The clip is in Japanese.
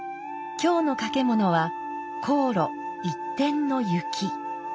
今日の掛物は「紅爐一点雪」。